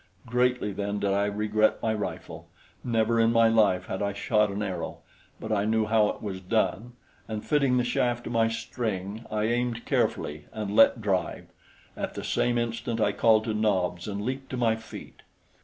Greatly then did I regret my rifle. Never in my life had I shot an arrow, but I knew how it was done, and fitting the shaft to my string, I aimed carefully and let drive. At the same instant I called to Nobs and leaped to my feet.